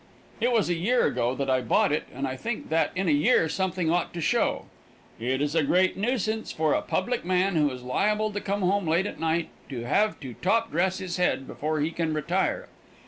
It was a year ago that I bought it, and I think that in a year something ought to show. It is a great nuisance for a public man who is liable to come home late at night to have to top dress his head before he can retire.